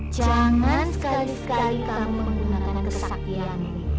jangan sekali sekali kamu menggunakan kesakian